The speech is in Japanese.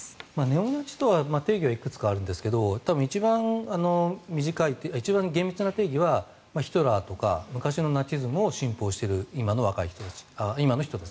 ネオナチという定義はいくつかあるんですが一番厳密な定義はヒトラーとか昔のナチズムを信奉している今の若い人たち。